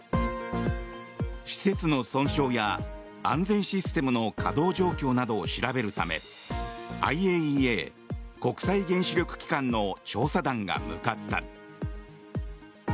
施設の損傷や安全システムの稼働状況などを調べるためＩＡＥＡ・国際原子力機関の調査団が向かった。